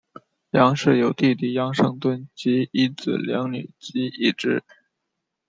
杨氏有弟弟杨圣敦及一子两女及一侄。